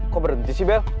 kok berhenti sih bel